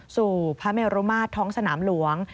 สู่พระเมรุมาตรท้องสนามหลวง